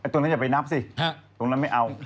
ตรงนั้นอย่าไปนับสิตรงนั้นไม่เอา